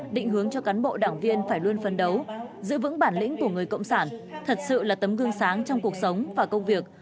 định hướng cho cán bộ đảng viên phải luôn phấn đấu giữ vững bản lĩnh của người cộng sản thật sự là tấm gương sáng trong cuộc sống và công việc